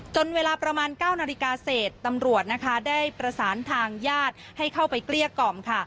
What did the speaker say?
เวลาประมาณ๙นาฬิกาเสร็จตำรวจนะคะได้ประสานทางญาติให้เข้าไปเกลี้ยกล่อมค่ะ